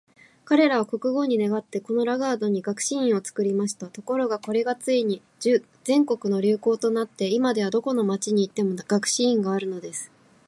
彼等は国王に願って、このラガードに学士院を作りました。ところが、これがついに全国の流行となって、今では、どこの町に行っても学士院があるのです。